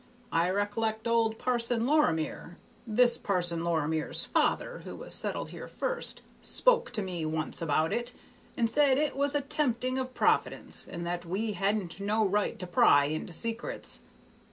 I rec'lect old Parson Lorimer this Parson Lorimer's father who was settled here first spoke to me once about it, and said it was a tempting of Providence, and that we hadn't no right to pry into secrets.